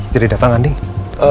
jadi dateng andieng